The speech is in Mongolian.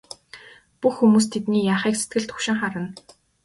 Бүх хүмүүс тэдний яахыг сэтгэл түгшин харна.